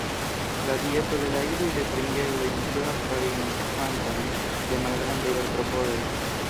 La dieto de la idoj de Fringedoj inkludas variajn kvantojn de malgrandaj artropodoj.